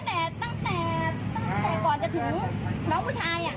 ใช่ตั้งแต่ก่อนจะถึงน้องผู้ชาย